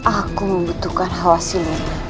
aku membutuhkan hawasi dunia